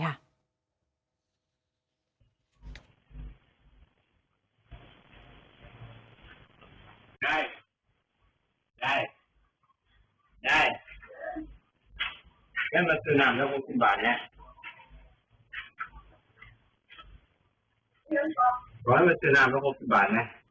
หลานเมื่อเชือนามต้อง๖๐บาทไง